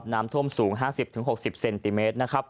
น้ำท่วมสูง๕๐๖๐เซนติเมตร